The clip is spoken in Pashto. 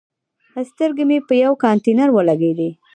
سترګې مې په یوه کانتینر ولګېدې.